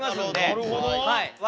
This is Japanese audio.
なるほど。笑